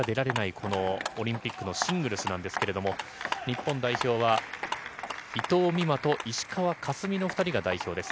このオリンピックのシングルスなんですけれども、日本代表は、伊藤美誠と石川佳純の２人が代表です。